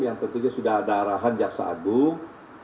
yang tentunya sudah ada arahan jaksa agung